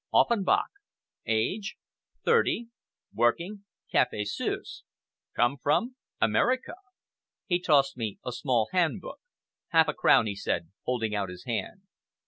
"Offenbach!" "Age?" "Thirty!" "Working?" "Café Suisse!" "Come from?" "America!" He tossed me a small handbook. "Half a crown," he said; holding out his hand.